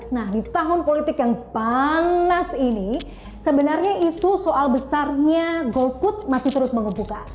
nah di tahun politik yang panas ini sebenarnya isu soal besarnya golput masih terus mengebuka